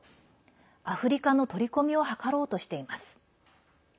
アフリカの取り込みを図ろうとしています。